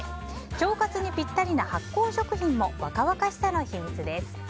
腸活にピッタリな発酵食品も若々しさの秘密です。